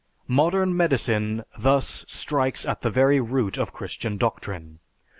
_ _Modern medicine thus strikes at the very root of Christian doctrine.